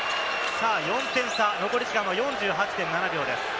４点差、残り時間は４８．７秒です。